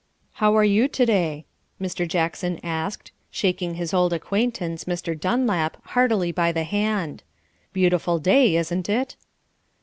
"How are you to day?" Mr. Jackson asked, shaking his old acquaintance, Mr. Dunlap, heartily by the hand. "Beautiful day, isn't it?"